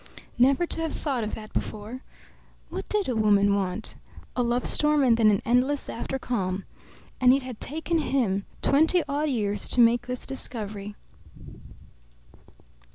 Never to have thought of that before! What did a woman want? A love storm, and then an endless after calm. And it had taken him twenty odd years to make this discovery.